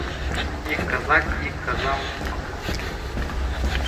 Ик казак ир казам конден.